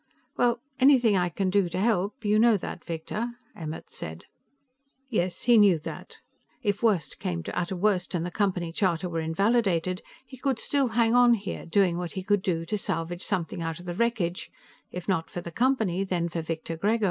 "Well, anything I can do to help; you know that, Victor," Emmert said. Yes, he knew that. If worst came to utter worst and the Company charter were invalidated, he could still hang on here, doing what he could to salvage something out of the wreckage if not for the Company, then for Victor Grego.